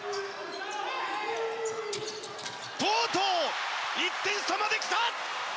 とうとう１点差まできた！